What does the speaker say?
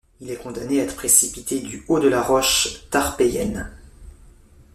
Il est condamné à être précipité du haut de la roche Tarpéienne.